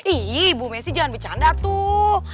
iya ibu messi jangan bercanda tuh